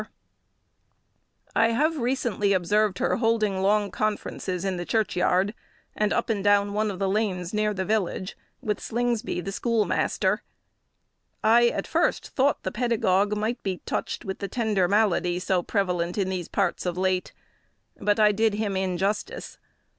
[Illustration: Slingsby and Phoebe] I have recently observed her holding long conferences in the churchyard, and up and down one of the lanes near the village, with Slingsby the schoolmaster. I at first thought the pedagogue might be touched with the tender malady so prevalent in these parts of late; but I did him injustice.